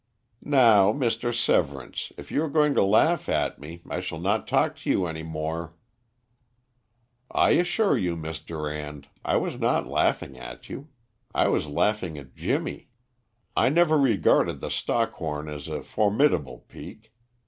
"Now, Mr. Severance, if you are going to laugh at me, I shall not talk to you any more." "I assure you, Miss Durand, I was not laughing at you. I was laughing at Jimmy. I never regarded the Stockhorn as a formidable peak.